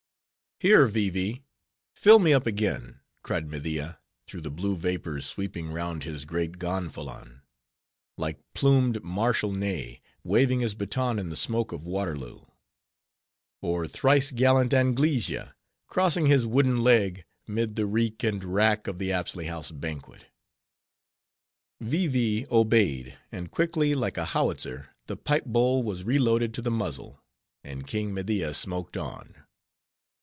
"Here, Vee Vee! fill me up again," cried Media, through the blue vapors sweeping round his great gonfalon, like plumed Marshal Ney, waving his baton in the smoke of Waterloo; or thrice gallant Anglesea, crossing his wooden leg mid the reek and rack of the Apsley House banquet. Vee Vee obeyed; and quickly, like a howitzer, the pipe owl was reloaded to the muzzle, and King Media smoked on.